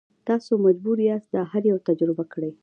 تاسو مجبور یاست دا هر یو تجربه کړئ.